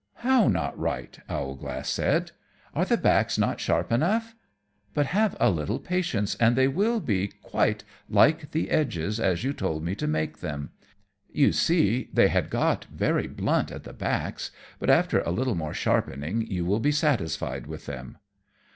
"How not right?" Owlglass said; "are the backs not sharp enough? But have a little patience and they shall be quite like the edges, as you told me to make them. You see they had got very blunt at the backs, but after a little more sharpening you will be satisfied with them."